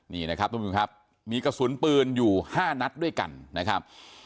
นี่นะครับทุกผู้ชมครับมีกระสุนปืนอยู่๕นัดด้วยกันนะครับ